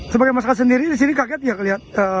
sebagai masalah sendiri disini kaget ya kelihatan